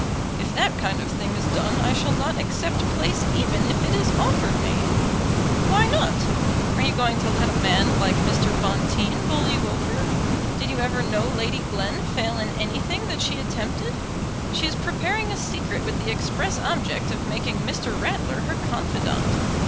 "If that kind of thing is done I shall not accept place even if it is offered me." "Why not? Are you going to let a man like Mr. Bonteen bowl you over? Did you ever know Lady Glen fail in anything that she attempted? She is preparing a secret with the express object of making Mr. Ratler her confidant.